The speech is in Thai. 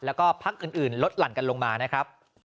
แล้วก็พักอื่นลดหลั่นกันลงมานะครับ